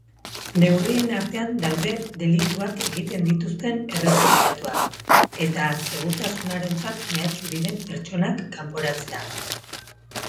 Neurrien artean daude delituak egiten dituzten errefuxiatuak eta segurtasunarentzat mehatxu diren pertsonak kanporatzea.